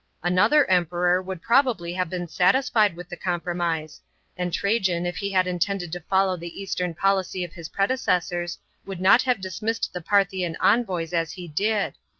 Another Emperor would probably have been satisfied with the compromise, and Trajan, if he had intended to follow the eastern policy of his predecessors, would not have dismissed the Parthian envoys as he did.